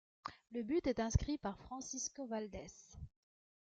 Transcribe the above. Le but est inscrit par Francisco Valdés.